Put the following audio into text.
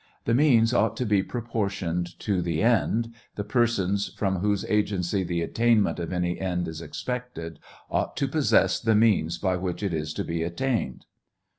The means ought to be proportioned to the end, the persons from whose agency the attainment of any end is expected, ought to poss'ess the means by which it is to be attained."